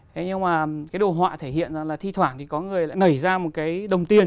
thế nhưng mà cái đồ họa thể hiện ra là thi thoảng thì có người lại nảy ra một cái đồng tiền